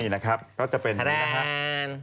นี่นะครับก็จะเป็นนี่นะครับ